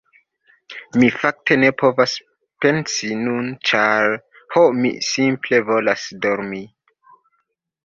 Mi fakte ne povas pensi nun, ĉar... ho mi simple volas dormi.